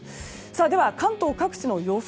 では関東各地の予想